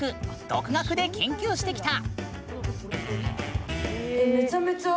独学で研究してきた。